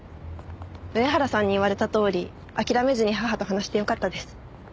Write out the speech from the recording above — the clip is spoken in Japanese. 上原さんに言われたとおり諦めずに母と話してよかったです。